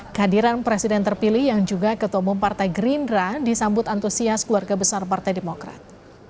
kehadiran presiden terpilih yang juga ketemu partai gerindra disambut antusias keluarga besar partai demokrat